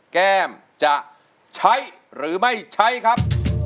แก้มจะใช้หรือไม่ใช้ครับ